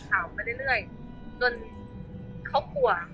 ต่อก็คือเต่าแหง